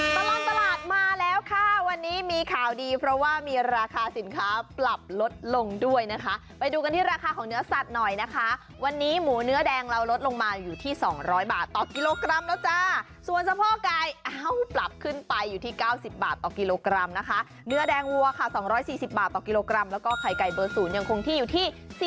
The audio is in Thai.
ตลอดตลาดมาแล้วค่ะวันนี้มีข่าวดีเพราะว่ามีราคาสินค้าปรับลดลงด้วยนะคะไปดูกันที่ราคาของเนื้อสัตว์หน่อยนะคะวันนี้หมูเนื้อแดงเราลดลงมาอยู่ที่๒๐๐บาทต่อกิโลกรัมแล้วจ้าส่วนสะโพกไก่เอ้าปรับขึ้นไปอยู่ที่๙๐บาทต่อกิโลกรัมนะคะเนื้อแดงวัวค่ะ๒๔๐บาทต่อกิโลกรัมแล้วก็ไข่ไก่เบอร์ศูนย์ยังคงที่อยู่ที่